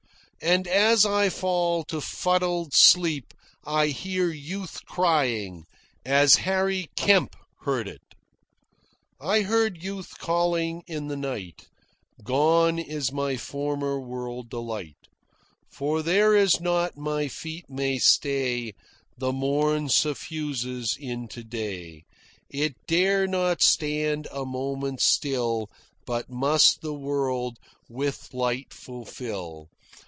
And as I fall to fuddled sleep I hear youth crying, as Harry Kemp heard it: "I heard Youth calling in the night: 'Gone is my former world delight; For there is naught my feet may stay; The morn suffuses into day, It dare not stand a moment still But must the world with light fulfil.